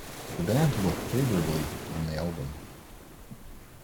The band look favourably on the album.